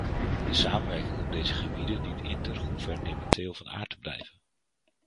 De samenwerking op deze gebieden dient intergouvernementeel van aard te blijven.